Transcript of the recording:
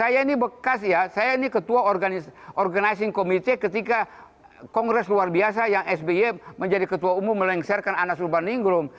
saya ini bekas ya saya ini ketua organizing committee ketika kongres luar biasa yang sby menjadi ketua umum melengsarkan anas urbaningrum